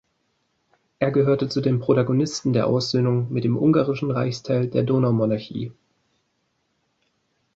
Er gehörte zu den Protagonisten der Aussöhnung mit dem ungarischen Reichsteil der Donaumonarchie.